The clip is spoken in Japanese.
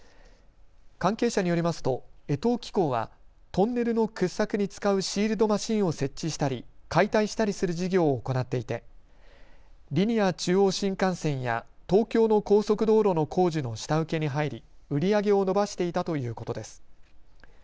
関係者によりますと江藤機工はトンネルの掘削に使うシールドマシンを設置したり解体したりする事業を行っていてリニア中央新幹線や東京の高速道路の工事の下請けに入り、売り上げを伸ばしていたということです。